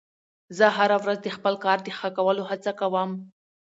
زه هره ورځ د خپل کار د ښه کولو هڅه کوم